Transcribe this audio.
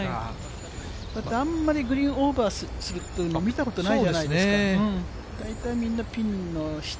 あんまり、グリーンオーバーするっていうの、見たことないじゃないですか。